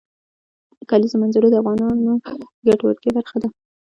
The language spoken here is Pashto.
د کلیزو منظره د افغانانو د ګټورتیا برخه ده.